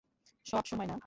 সব সময় না।